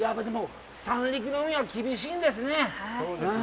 三陸の海は、厳しいんですねぇ。